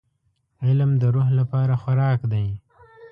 • علم د روح لپاره خوراک دی.